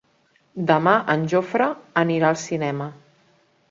Demà en Jofre anirà al cinema.